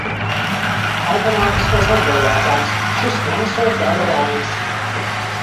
Automātiskais atbildētājs, šis neesot darba laiks.